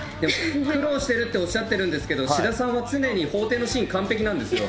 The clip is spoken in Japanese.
苦労してるっておっしゃってるんですけど、志田さんは常に法廷のシーン、完璧なんですよ。